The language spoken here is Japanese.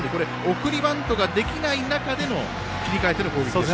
送りバントができない中での切り替えての攻撃でした。